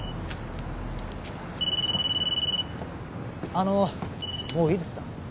あのもういいですか？